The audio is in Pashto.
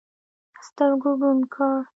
سترګو ړوند کړ.